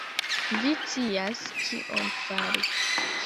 Vi scias kion fari!